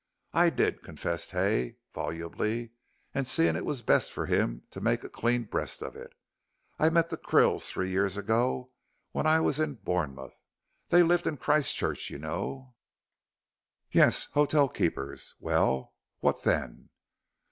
"I did," confessed Hay, volubly and seeing it was best for him to make a clean breast of it. "I met the Krills three years ago when I was at Bournemouth. They lived in Christchurch, you know." "Yes. Hotel keepers. Well, what then?"